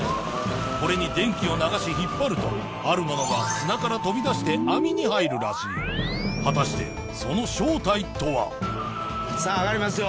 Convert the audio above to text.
これに電気を流し引っ張るとあるものが砂から飛び出して網に入るらしい果たしてその正体とは？